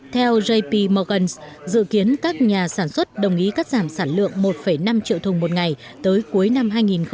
theo jp morgan dự kiến các nhà sản xuất đồng ý cắt giảm sản lượng một năm triệu thùng một ngày tới cuối năm hai nghìn hai mươi